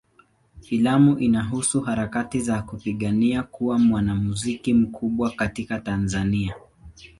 Filamu inahusu harakati za kupigania kuwa mwanamuziki mkubwa katika Tanzania.